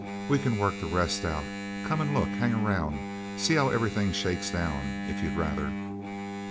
We can work the rest out. Come and look, hang around see how everything shakes down, if you'd rather."